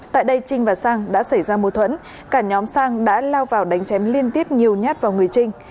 tại đây trinh và sang đã xảy ra mô thuẫn cả nhóm sang đã lao vào đánh chém liên tiếp nhiều nhát vào người trinh